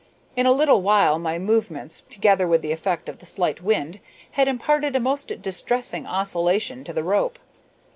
In a little while my movements, together with the effect of the slight wind, had imparted a most distressing oscillation to the rope.